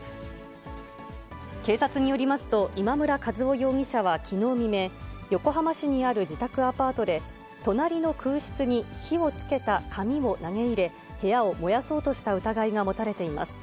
警察によりますと、今村和男容疑者はきのう未明、横浜市にある自宅アパートで、隣の空室に火をつけた紙を投げ入れ、部屋を燃やそうとした疑いが持たれています。